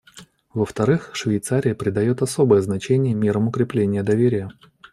Во-вторых, Швейцария придает особое значение мерам укрепления доверия.